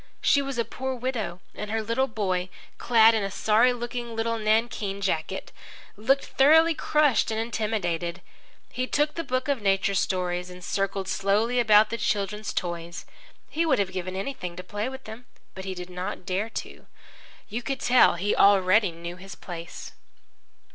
She was a poor widow, and her little boy, clad in a sorry looking little nankeen jacket, looked thoroughly crushed and intimidated. He took the book of nature stories and circled slowly about the children's toys. He would have given anything to play with them. But he did not dare to. You could tell he already knew his place.